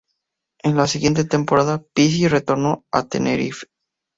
En la siguiente temporada Pizzi retornó a Tenerife.